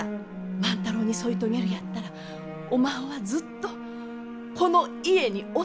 万太郎に添い遂げるやったらおまんはずっとこの家におってえい。